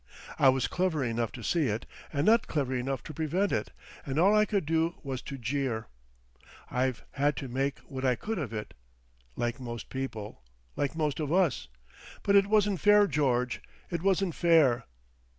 I was clever enough to see it, and not clever enough to prevent it, and all I could do was to jeer. I've had to make what I could of it. Like most people. Like most of us.... But it wasn't fair, George. It wasn't fair.